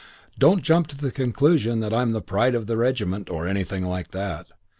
Don't jump to the conclusion that I'm the Pride of the Regiment or anything like that.